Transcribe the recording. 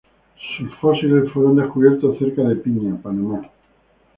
Sus fósiles fueron descubiertos cerca de Piña, Panamá.